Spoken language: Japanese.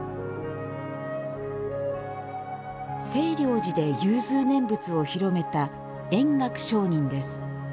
清凉寺で融通念仏を広めた円覚上人です。